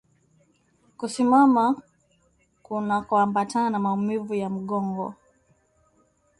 Kusimama kunakoambatana na maumivu ya mgongo